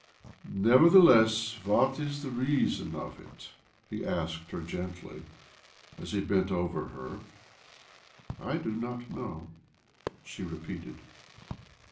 " Nevertheless, what is the reason of it? " he asked her gently as he bent over her. " I do not know," she repeated.